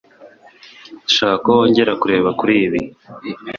Ndashaka ko wongera kureba kuri ibi.